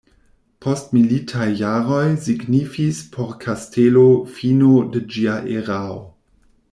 Postmilitaj jaroj signifis por kastelo fino de ĝia erao.